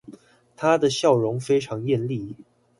她的笑容非常豔麗